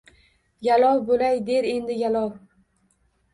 Yalov boʻlay, der endi, yalov!”